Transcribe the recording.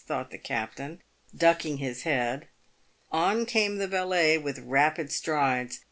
thought the captain, ducking his head. On came the valet with rapid strides.